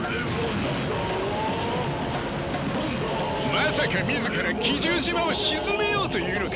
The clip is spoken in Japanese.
まさか自ら奇獣島を沈めようというのか？